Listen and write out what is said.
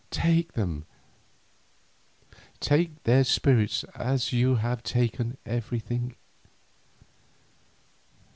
Take them—take their spirits as you have taken everything.